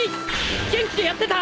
元気でやってた？